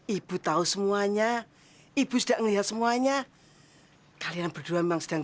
ibu tahu semuanya ibu sudah melihat semuanya kalian berdua memang sedang